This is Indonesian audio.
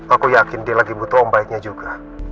aku yakin dia lagi butuh om baiknya juga